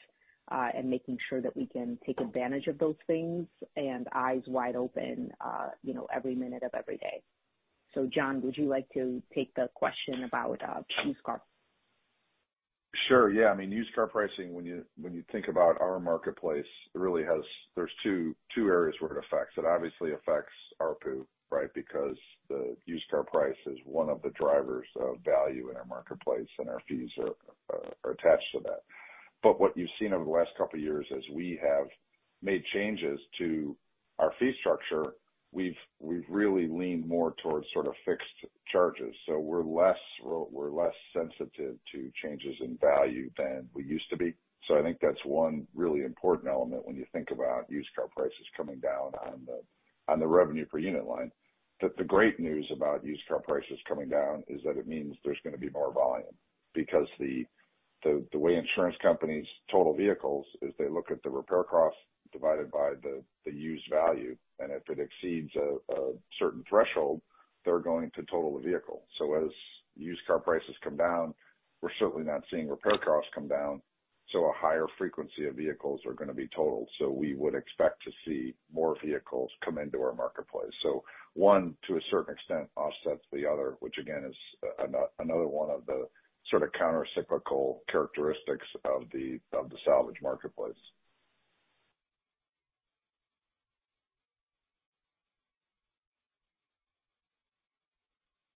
[SPEAKER 3] and making sure that we can take advantage of those things and eyes wide open, you know, every minute of every day. John, would you like to take the question about used car?
[SPEAKER 6] Sure, yeah. I mean, used car pricing, when you think about our marketplace, there's two areas where it affects. It obviously affects ARPU, right? Because the used car price is one of the drivers of value in our marketplace, and our fees are attached to that. What you've seen over the last couple of years as we have made changes to our fee structure, we've really leaned more towards sort of fixed charges. We're less sensitive to changes in value than we used to be. I think that's one really important element when you think about used car prices coming down on the revenue per unit line. The great news about used car prices coming down is that it means there's gonna be more volume because the way insurance companies total vehicles is they look at the repair cost divided by the used value, and if it exceeds a certain threshold, they're going to total the vehicle. As used car prices come down, we're certainly not seeing repair costs come down, so a higher frequency of vehicles are gonna be totaled. We would expect to see more vehicles come into our marketplace. One, to a certain extent, offsets the other, which again is another one of the sort of countercyclical characteristics of the salvage marketplace.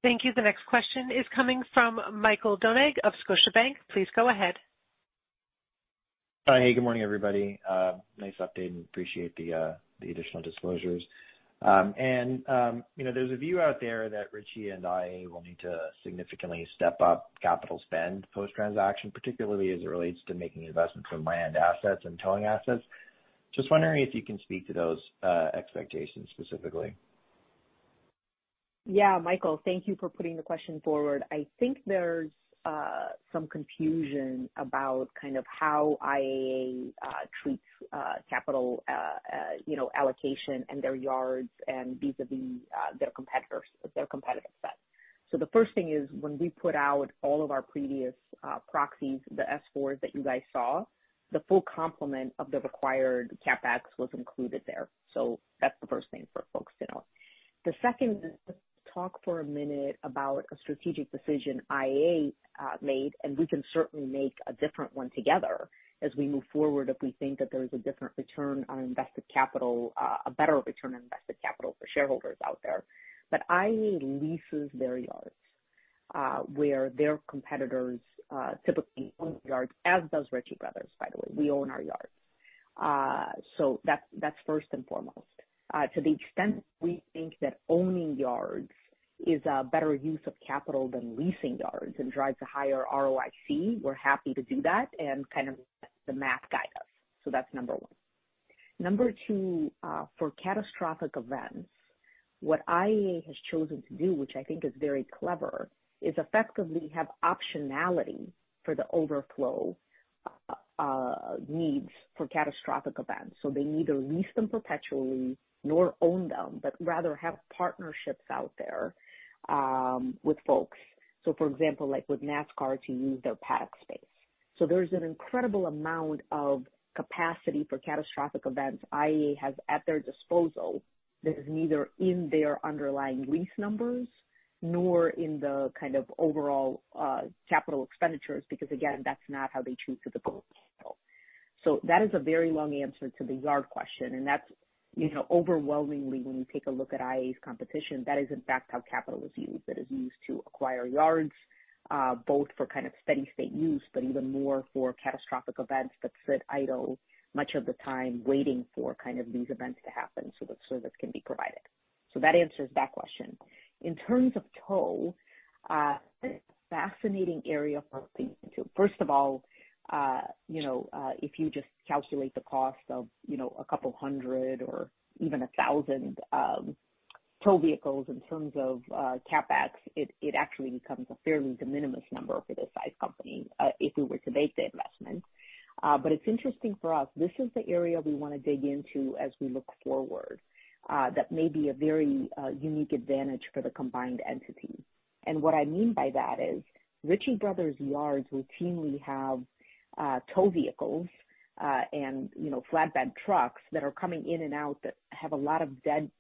[SPEAKER 1] Thank you. The next question is coming from Michael Doumet of Scotiabank. Please go ahead.
[SPEAKER 8] Hi. Good morning, everybody. nice update and appreciate the additional disclosures. you know, there's a view out there that Ritchie and IAA will need to significantly step up capital spend post-transaction, particularly as it relates to making investments in land assets and towing assets. Just wondering if you can speak to those expectations specifically.
[SPEAKER 3] Yeah, Michael, thank you for putting the question forward. I think there's some confusion about kind of how IAA treats capital, you know, allocation in their yards and vis-a-vis their competitors, their competitive set. The first thing is when we put out all of our previous proxies, the S-4s that you guys saw, the full complement of the required CapEx was included there. That's the first thing for folks to know. The second is to talk for a minute about a strategic decision IAA made, and we can certainly make a different one together as we move forward if we think that there's a different return on invested capital, a better return on invested capital for shareholders out there. IAA leases their yards where their competitors typically own yards, as does Ritchie Bros., by the way. We own our yards. So that's first and foremost. To the extent we think that owning yards is a better use of capital than leasing yards and drives a higher ROIC, we're happy to do that and kind of let the math guide us. That's number 1. Number 2, for catastrophic events, what IAA has chosen to do, which I think is very clever, is effectively have optionality for the overflow needs for catastrophic events. They neither lease them perpetually nor own them, but rather have partnerships out there with folks. For example, like with NASCAR to use their paddock space. There's an incredible amount of capacity for catastrophic events IAA has at their disposal that is neither in their underlying lease numbers nor in the kind of overall capital expenditures, because again, that's not how they choose to deploy capital. That is a very long answer to the yard question. That's, you know, overwhelmingly when you take a look at IAA's competition, that is in fact how capital is used. It is used to acquire yards, both for kind of steady-state use, but even more for catastrophic events that sit idle much of the time waiting for kind of these events to happen so that service can be provided. That answers that question. In terms of tow, this is a fascinating area for us to dig into. First of all, you know, if you just calculate the cost of, you know, a couple hundred or even 1,000 tow vehicles in terms of CapEx, it actually becomes a fairly de minimis number for this size company, if we were to make the investment. It's interesting for us, this is the area we wanna dig into as we look forward, that may be a very unique advantage for the combined entity. What I mean by that is Ritchie Bros. yards routinely have tow vehicles, and, you know, flatbed trucks that are coming in and out that have a lot of dead,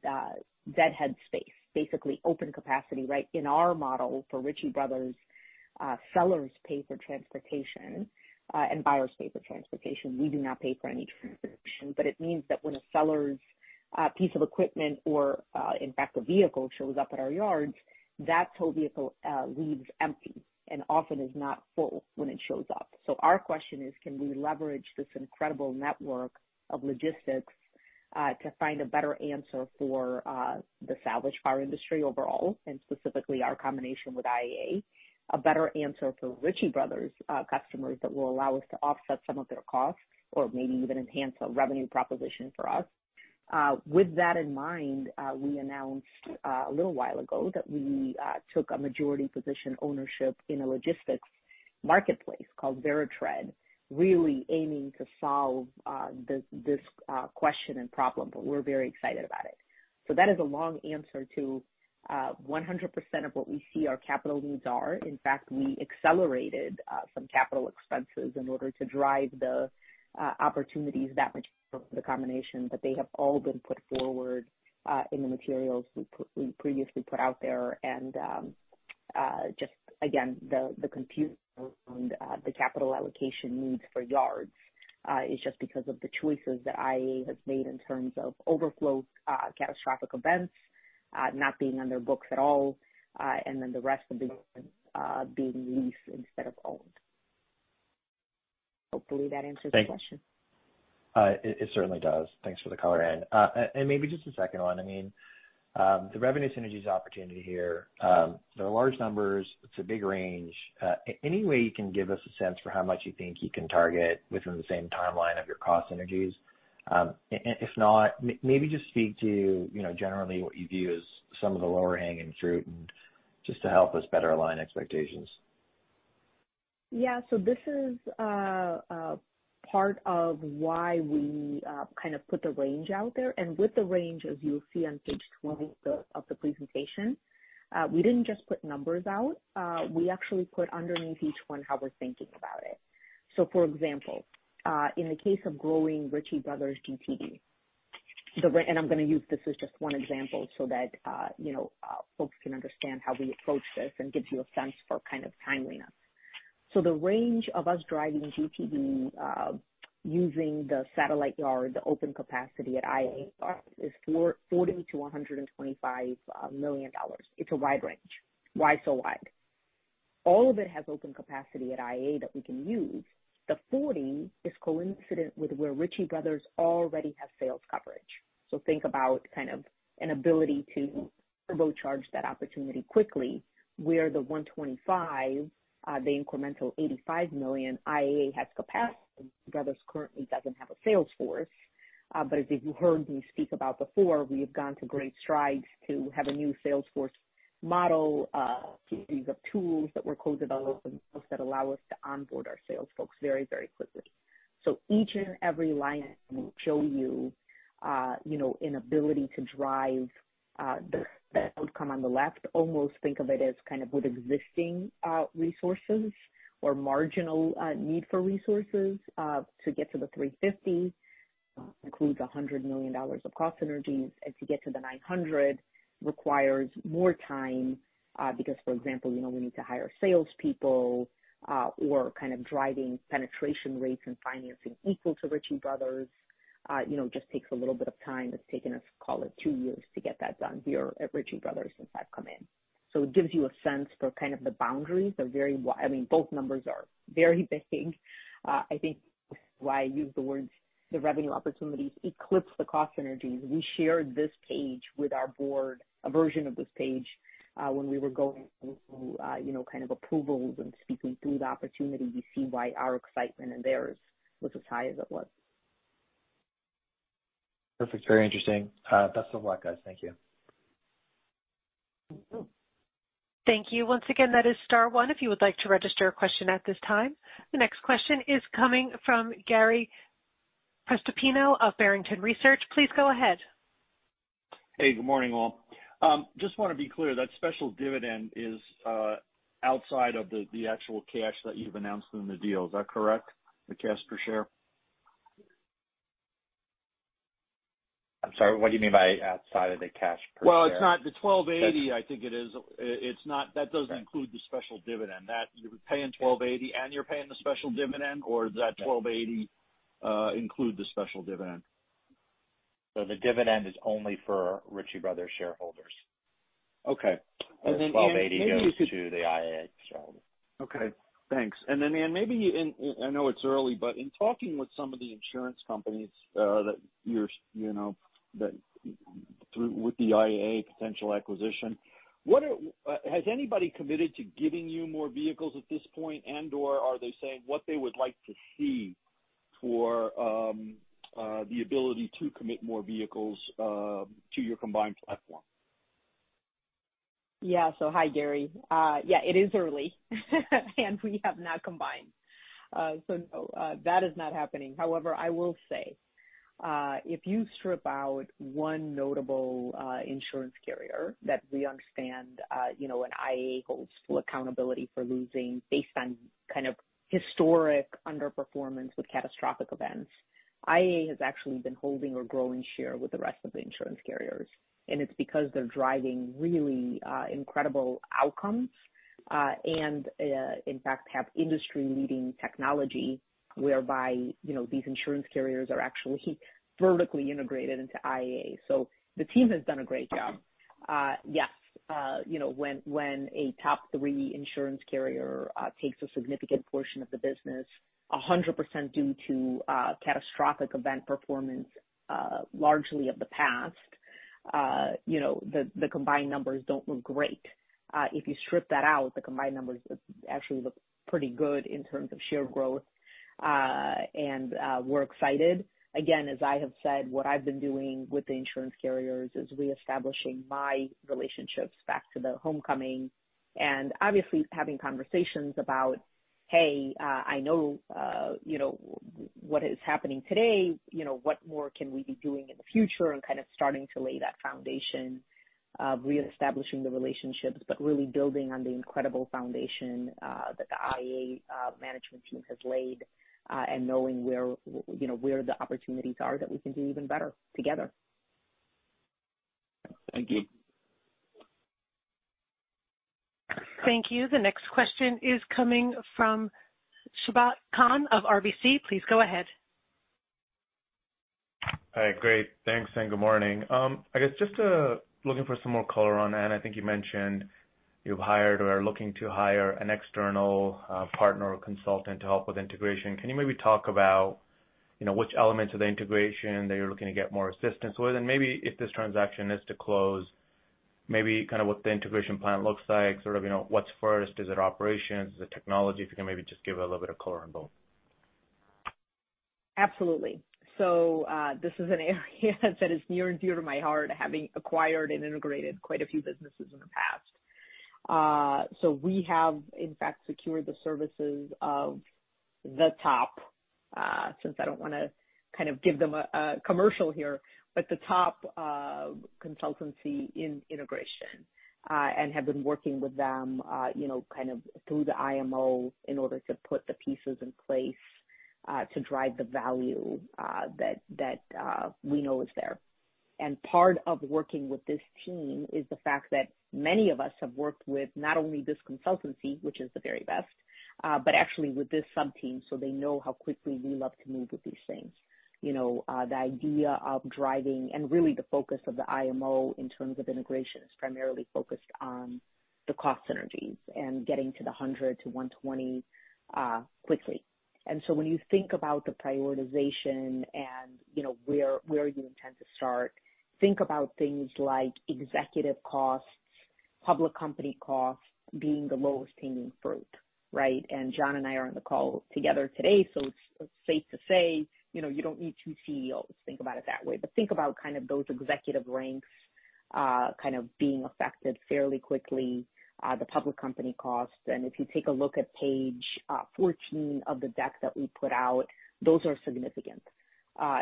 [SPEAKER 3] deadhead space, basically open capacity, right? In our model for Ritchie Bros., sellers pay for transportation, and buyers pay for transportation. We do not pay for any transportation. It means that when a seller's piece of equipment or, in fact, a vehicle shows up at our yards, that tow vehicle leaves empty and often is not full when it shows up. Our question is, can we leverage this incredible network of logistics to find a better answer for the salvage car industry overall, and specifically our combination with IAA, a better answer for Ritchie Bros. customers that will allow us to offset some of their costs or maybe even enhance a revenue proposition for us? With that in mind, we announced a little while ago that we took a majority position ownership in a logistics marketplace called VeriTread. Really aiming to solve this question and problem, but we're very excited about it. That is a long answer to 100% of what we see our capital needs are. In fact, we accelerated some capital expenses in order to drive the opportunities that much from the combination. They have all been put forward in the materials we previously put out there. Just again, the confusion around the capital allocation needs for yards is just because of the choices that IAA has made in terms of overflow, catastrophic events, not being on their books at all, and then the rest of the being leased instead of owned. Hopefully, that answers the question.
[SPEAKER 8] Thank you. It certainly does. Thanks for the color in. Maybe just a second one? I mean, the revenue synergies opportunity here, they're large numbers, it's a big range. Any way you can give us a sense for how much you think you can target within the same timeline of your cost synergies? If not, maybe just speak to, you know, generally what you view as some of the lower hanging fruit, and just to help us better align expectations.
[SPEAKER 3] Yeah. This is part of why we kind of put the range out there. With the range, as you'll see on page 20 of the presentation, we didn't just put numbers out. We actually put underneath each one how we're thinking about it. For example, in the case of growing Ritchie Bros. GTV, I'm gonna use this as just one example so that, you know, folks can understand how we approach this and gives you a sense for kind of timeliness. The range of us driving GTV, using the satellite yard, the open capacity at IAA is $40 million to $125 million. It's a wide range. Why so wide? All of it has open capacity at IAA that we can use. The 40 is coincident with where Ritchie Bros. already have sales coverage. Think about kind of an ability to turbocharge that opportunity quickly, where the 125, the incremental $85 million IAA has capacity. Brothers currently doesn't have a sales force. But as you heard me speak about before, we have gone to great strides to have a new sales force model, series of tools that we're co-developing that allow us to onboard our sales folks very, very quickly. Each and every line item will show you know, an ability to drive the outcome on the left. Almost think of it as kind of with existing resources or marginal need for resources to get to the 350, includes $100 million of cost synergies. To get to the 900 requires more time, because, for example, you know, we need to hire salespeople, or kind of driving penetration rates and financing equal to Ritchie Bros., you know, just takes a little bit of time. It's taken us, call it 2 years to get that done here at Ritchie Bros. since I've come in. It gives you a sense for kind of the boundaries. They're very, I mean, both numbers are very big. I think why I use the words the revenue opportunities eclipse the cost synergies. We shared this page with our board, a version of this page, when we were going through, you know, kind of approvals and speaking through the opportunity to see why our excitement and theirs was as high as it was.
[SPEAKER 8] Perfect. Very interesting. Best of luck, guys. Thank you.
[SPEAKER 3] Mm-hmm.
[SPEAKER 1] Thank you. Once again, that is star one if you would like to register a question at this time. The next question is coming from Gary Prestopino of Barrington Research. Please go ahead.
[SPEAKER 9] Hey, good morning, all. Just wanna be clear, that special dividend is outside of the actual cash that you've announced in the deal. Is that correct? The cash per share?
[SPEAKER 8] I'm sorry, what do you mean by outside of the cash per share?
[SPEAKER 9] It's not the $12.80, I think it is. It's not. That doesn't include the special dividend. That you're paying $12.80, and you're paying the special dividend, or does that $12.80 include the special dividend?
[SPEAKER 8] The dividend is only for Ritchie Bros. shareholders.
[SPEAKER 9] Okay. Ann.
[SPEAKER 8] The $12.80 goes to the IAA shareholders.
[SPEAKER 9] Okay, thanks. Ann, maybe, and I know it's early, but in talking with some of the insurance companies, you know, that through with the IAA potential acquisition, has anybody committed to giving you more vehicles at this point? Are they saying what they would like to see for the ability to commit more vehicles to your combined platform?
[SPEAKER 3] Yeah. Hi, Gary. Yeah, it is early and we have not combined. No, that is not happening. However, I will say, if you strip out 1 notable insurance carrier that we understand, you know, and IAA holds full accountability for losing based on kind of historic underperformance with catastrophic events, IAA has actually been holding or growing share with the rest of the insurance carriers. It's because they're driving really incredible outcomes, and, in fact, have industry-leading technology whereby, you know, these insurance carriers are actually vertically integrated into IAA. The team has done a great job. Yes, you know, when a top 3 insurance carrier takes a significant portion of the business, a hundred percent due to catastrophic event performance, largely of the past, you know, the combined numbers don't look great. If you strip that out, the combined numbers actually look pretty good in terms of share growth. We're excited. Again, as I have said, what I've been doing with the insurance carriers is reestablishing my relationships back to the Hurricane Ian. Obviously having conversations about, hey, I know, you know, what is happening today, you know, what more can we be doing in the future? kind of starting to lay that foundation of reestablishing the relationships, but really building on the incredible foundation, that the IAA management team has laid, and knowing where, you know, where the opportunities are that we can do even better together.
[SPEAKER 10] Thank you.
[SPEAKER 1] Thank you. The next question is coming from Sabahat Khan of RBC. Please go ahead.
[SPEAKER 11] Hi. Great. Thanks. Good morning. I guess just looking for some more color on, and I think you mentioned you've hired or are looking to hire an external partner or consultant to help with integration. Can you maybe talk about, you know, which elements of the integration that you're looking to get more assistance with? Maybe if this transaction is to close, maybe kind of what the integration plan looks like, sort of, you know, what's first? Is it operations? Is it technology? If you can maybe just give a little bit of color on both.
[SPEAKER 3] Absolutely. This is an area that is near and dear to my heart, having acquired and integrated quite a few businesses in the past. We have, in fact, secured the services of the top, since I don't wanna kind of give them a commercial here, but the top consultancy in integration, and have been working with them, you know, kind of through the IMO in order to put the pieces in place, to drive the value that, we know is there. Part of working with this team is the fact that many of us have worked with not only this consultancy, which is the very best, but actually with this sub-team, so they know how quickly we love to move with these things. You know, the idea of driving and really the focus of the IMO in terms of integration is primarily focused on the cost synergies and getting to the $100 million-$120 million quickly. When you think about the prioritization and, you know, where you intend to start, think about things like executive costs, public company costs being the lowest hanging fruit, right? John and I are on the call together today, so it's safe to say, you know, you don't need two CEOs. Think about it that way. Think about kind of those executive ranks, kind of being affected fairly quickly, the public company costs. If you take a look at page 14 of the deck that we put out, those are significant.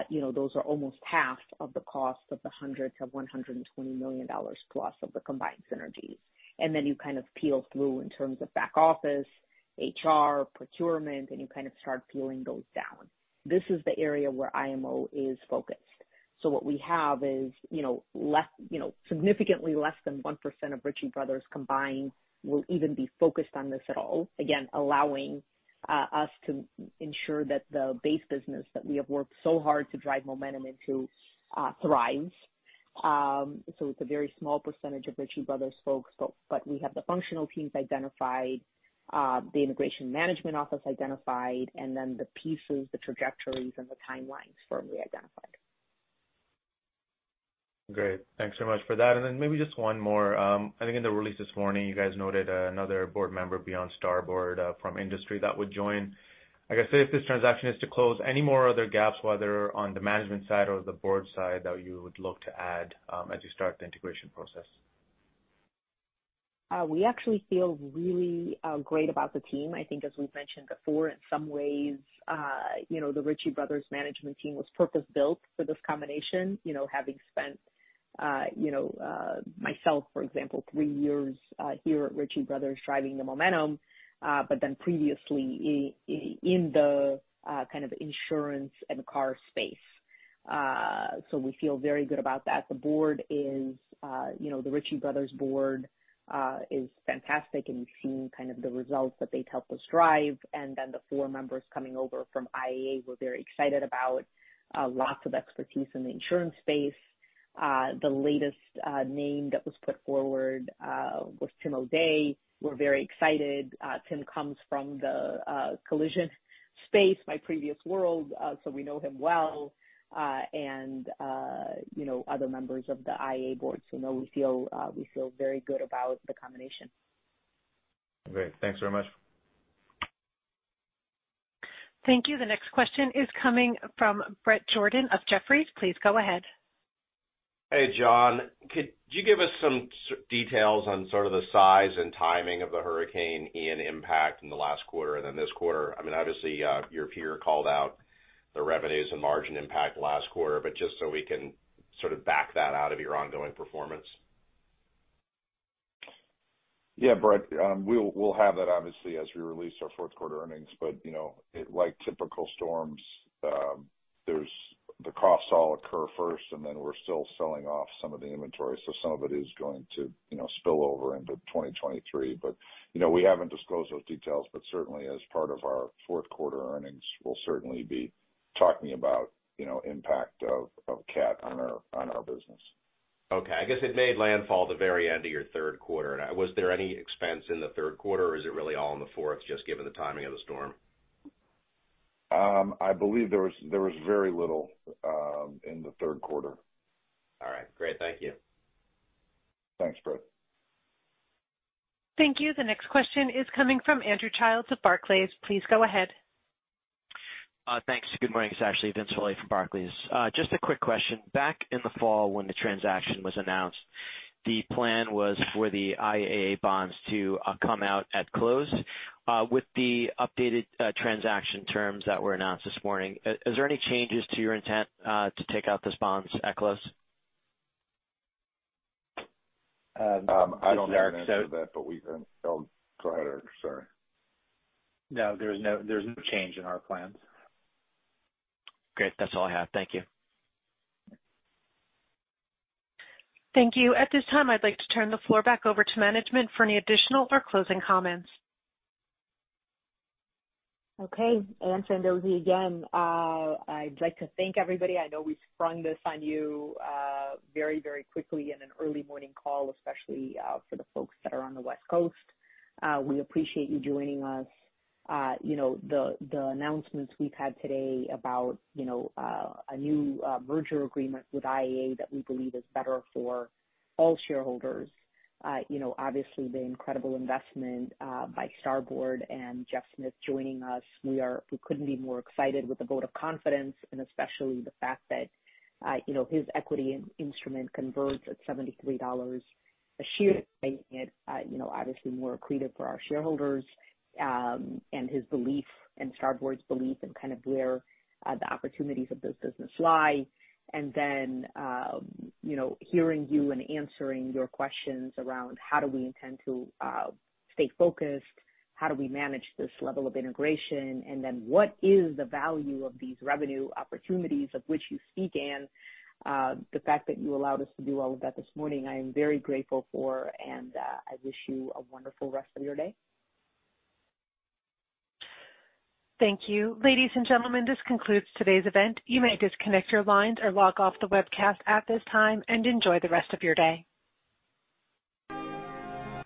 [SPEAKER 3] you know, those are almost half of the cost of the $120 million plus of the combined synergies. You kind of peel through in terms of back office, HR, procurement, and you kind of start peeling those down. This is the area where IMO is focused. What we have is, you know, less, you know, significantly less than 1% of Ritchie Bros. combined will even be focused on this at all. Again, allowing us to ensure that the base business that we have worked so hard to drive momentum into thrives. It's a very small percentage of Ritchie Bros. folks, but we have the functional teams identified, the integration management office identified, the pieces, the trajectories and the timelines firmly identified.
[SPEAKER 11] Great. Thanks so much for that. Maybe just one more. I think in the release this morning, you guys noted another board member beyond Starboard, from industry that would join. I guess, say, if this transaction is to close, any more other gaps, whether on the management side or the board side, that you would look to add, as you start the integration process?
[SPEAKER 3] We actually feel really great about the team. I think, as we've mentioned before, in some ways, you know, the Ritchie Bros. management team was purpose-built for this combination, you know, having spent, you know, myself, for example, 3 years here at Ritchie Bros. driving the momentum, but then previously in the kind of insurance and car space. We feel very good about that. The board is, you know, the Ritchie Bros. board is fantastic, and you've seen kind of the results that they've helped us drive. The 4 members coming over from IAA, we're very excited about, lots of expertise in the insurance space. The latest name that was put forward was Tim O'Day. We're very excited. Tim comes from the collision space, my previous world, we know him well. You know, other members of the IAA board. We feel very good about the combination.
[SPEAKER 11] Great. Thanks very much.
[SPEAKER 1] Thank you. The next question is coming from Bret Jordan of Jefferies. Please go ahead.
[SPEAKER 12] Hey, John. Could you give us some details on sort of the size and timing of the Hurricane Ian impact in the last quarter and then this quarter? I mean, obviously, your peer called out the revenues and margin impact last quarter, but just so we can sort of back that out of your ongoing performance.
[SPEAKER 6] Yeah, Bret. We'll, we'll have that obviously as we release our fourth quarter earnings. You know, like typical storms, there's the costs all occur first, and then we're still selling off some of the inventory, so some of it is going to, you know, spill over into 2023. You know, we haven't disclosed those details, but certainly as part of our fourth quarter earnings, we'll certainly be talking about, you know, impact of cat on our, on our business.
[SPEAKER 12] I guess it made landfall at the very end of your third quarter. Was there any expense in the third quarter, or is it really all in the fourth, just given the timing of the storm?
[SPEAKER 6] I believe there was very little in the third quarter.
[SPEAKER 12] All right, great. Thank you.
[SPEAKER 6] Thanks, Bret.
[SPEAKER 1] Thank you. The next question is coming from Andrew Casey of Barclays. Please go ahead.
[SPEAKER 10] Thanks. Good morning. It's actually Vince Foley from Barclays. Just a quick question. Back in the fall when the transaction was announced, the plan was for the IAA bonds to come out at close. With the updated transaction terms that were announced this morning, is there any changes to your intent to take out those bonds at close?
[SPEAKER 6] I don't know the answer to that, but we can. Oh, go ahead, Eric. Sorry.
[SPEAKER 4] No, there's no change in our plans.
[SPEAKER 10] Great. That's all I have. Thank you.
[SPEAKER 1] Thank you. At this time, I'd like to turn the floor back over to management for any additional or closing comments.
[SPEAKER 3] Okay. Ann Fandozzi again. I'd like to thank everybody. I know we sprung this on you, very, very quickly in an early morning call, especially for the folks that are on the West Coast. We appreciate you joining us. You know, the announcements we've had today about, you know, a new merger agreement with IAA that we believe is better for all shareholders. You know, obviously the incredible investment by Starboard and Jeffrey Smith joining us, we couldn't be more excited with the vote of confidence and especially the fact that, you know, his equity in instrument converts at $73 a share, making it, you know, obviously more accretive for our shareholders, and his belief and Starboard's belief in kind of where the opportunities of this business lie. You know, hearing you and answering your questions around how do we intend to stay focused, how do we manage this level of integration, and then what is the value of these revenue opportunities of which you speak, Anne. The fact that you allowed us to do all of that this morning, I am very grateful for and I wish you a wonderful rest of your day.
[SPEAKER 1] Thank you. Ladies and gentlemen, this concludes today's event. You may disconnect your lines or log off the webcast at this time, and enjoy the rest of your day.